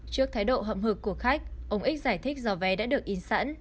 trước thái độ hậm hực của khách ông x giải thích do vé đã được in sẵn